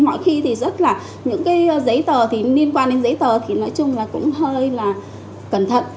mọi khi thì rất là những cái giấy tờ thì liên quan đến giấy tờ thì nói chung là cũng hơi là cẩn thận